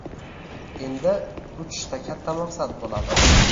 endi uchishda katta maqsad bo‘ladi!»